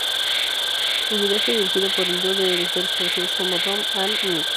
El video fue dirigido por el dúo de directores conocidos como Dom and Nic.